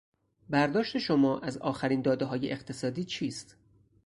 برداشت شما از آخرین دادههای اقتصادی چیست؟